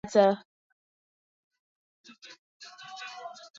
Therefore, there are hardly any run-to-failure data.